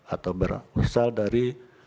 atau berusaha dari